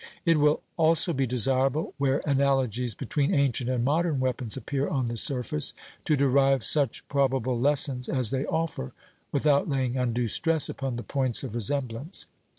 It will also be desirable, where analogies between ancient and modern weapons appear on the surface, to derive such probable lessons as they offer, without laying undue stress upon the points of resemblance.